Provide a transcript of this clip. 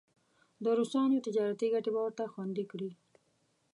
د روسانو تجارتي ګټې به ورته خوندي کړي.